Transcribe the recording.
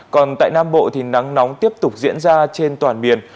còn tại nam bộ thì nắng nóng tiếp tục diễn ra trên toàn miền